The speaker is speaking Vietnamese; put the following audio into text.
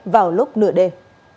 vào lúc nửa đêm